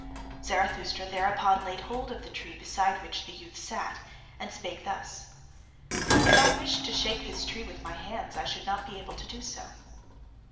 Zarathustra thereupon laid hold of the tree beside which the youth sat, and spake thus: "If I wished to shake this tree with my hands, I should not be able to do so.